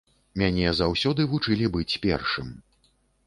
Мяне заўсёды вучылі быць першым.